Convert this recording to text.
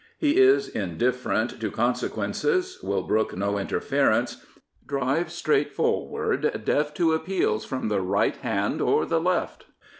He is indifferent to consequences, will brook no interference, drives straight forward, deaf to appeals from the right hand or the left.